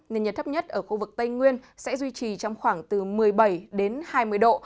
nên nhiệt cao nhất ở khu vực tây nguyên sẽ duy trì trong khoảng từ một mươi bảy hai mươi độ